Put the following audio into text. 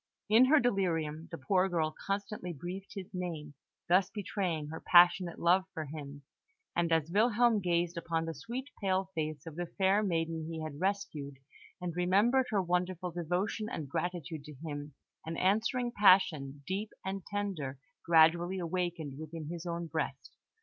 In her delirium, the poor girl constantly breathed his name, thus betraying her passionate love for him; and as Wilhelm gazed upon the sweet, pale face of the fair maiden he had rescued, and remembered her wonderful devotion and gratitude to him, an answering passion, deep and tender, gradually awakened within his own breast.